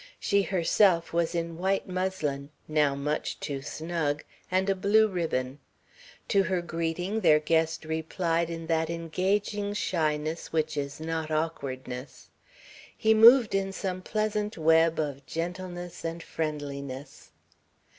She herself was in white muslin, now much too snug, and a blue ribbon. To her greeting their guest replied in that engaging shyness which is not awkwardness. He moved in some pleasant web of gentleness and friendliness.